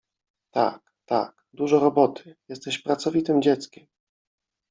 — Tak, tak, dużo roboty… jesteś pracowitym dzieckiem!